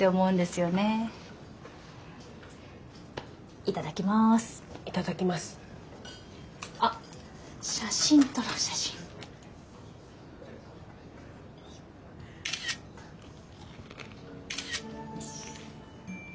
よし。